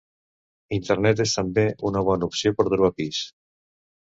Internet és també una bona opció per trobar pis.